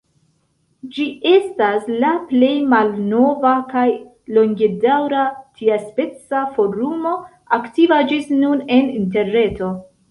Ĝi estas la plej malnova kaj longedaŭra tiaspeca forumo aktiva ĝis nun en Interreto.